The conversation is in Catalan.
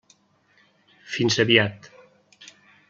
Fins aviat.